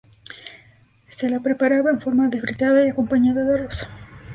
Se la preparaba en forma de fritada y acompañada de arroz.